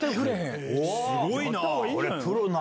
すごいな！